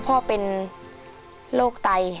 ขอบคุณมากครับ